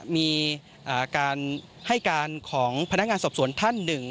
มีการให้การของพนักงานสอบสวนท่านหนึ่ง